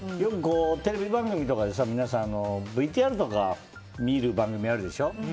テレビ番組とかで皆さんＶＴＲとか見る番組あるでしょ。